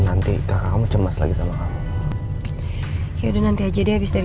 nanti kamu cemas lagi sementara hai tadinya nanti aja dia habis dari